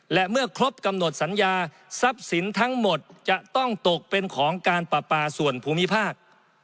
และเมื่อครบกำหนดสัญญาทรัพย์สินทั้งหมดจะต้องตกเป็นของการปราปาส่วนภูมิภาค